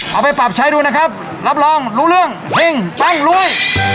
เอาไปปรับใช้ดูนะครับรับรองรู้เรื่องเฮ่งปั้งรวย